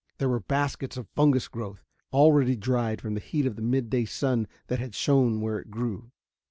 There were baskets of fungus growth, already dried from the heat of the mid day sun that had shone where it grew.